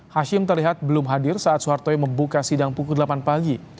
hashim terlihat belum hadir saat soeharto membuka sidang pukul delapan pagi